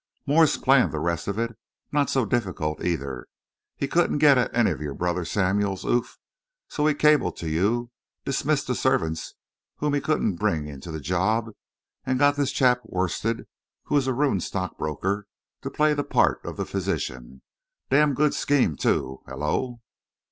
Morse planned the rest of it. Not so difficult, either. He couldn't get at any of your brother Samuel's oof, so he cabled to you, dismissed the servants whom he couldn't bring into the job, and got this chap Worstead, who is a ruined stockbroker, to play the part of the physician. Damned good scheme, too! Hullo!"